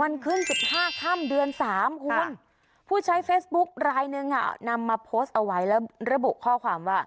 วันขึ้น๑๕ค่ำเดือน๓คุณผู้ใช้เฟซบุ๊คลายหนึ่งนำมาโพสต์เอาไว้แล้วระบุข้อความว่า